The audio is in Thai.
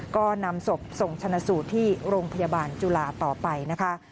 ก็นำศพส่งชนะสูตรที่โรงพยาบาลจุฬาต่อไปนะคะ